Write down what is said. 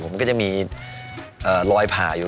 มันก็จะมีรอยผ่าอยู่